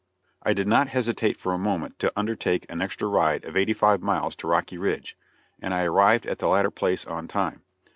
I did not hesitate for a moment to undertake an extra ride of eighty five miles to Rocky Ridge, and I arrived at the latter place on time.